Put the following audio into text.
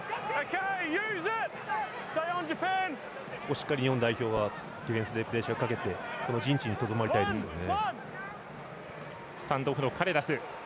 しっかり日本代表はディフェンスでプレッシャーをかけてこの陣地にとどまりたいですね。